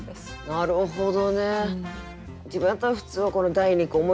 なるほど。